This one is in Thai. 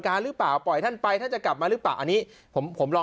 หรือเปล่าปล่อยท่านไปท่านจะกลับมาหรือเปล่าอันนี้ผมผมรอ